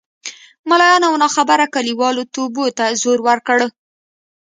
ملایانو او ناخبره کلیوالو توبو ته زور ورکړ.